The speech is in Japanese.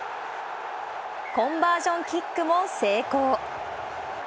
コンバージョンキックも成功。